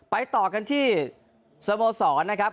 ต่อกันที่สโมสรนะครับ